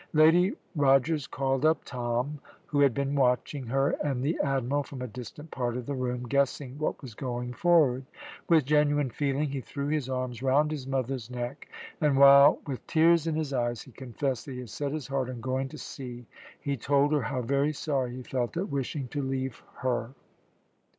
Lady Rogers called up Tom, who had been watching her and the Admiral from a distant part of the room, guessing what was going forward. With genuine feeling he threw his arms round his mother's neck, and while, with tears in his eyes, he confessed that he had set his heart on going to sea, he told her how very sorry he felt at wishing to leave her.